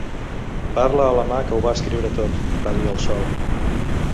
"Parla a la mà que ho va escriure tot", va dir el sol.